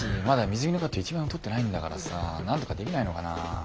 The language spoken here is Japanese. まだ水着のカット１枚も撮ってないんだからさなんとかできないのかなあ？